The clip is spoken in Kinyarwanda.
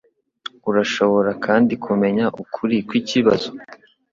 Urashobora kandi kumenya ukuri kwikibazo.